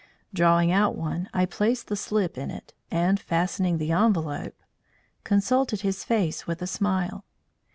Drawing out one, I placed the slip in it, and fastening the envelope, consulted his face with a smile.